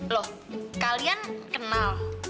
lo kalian kenal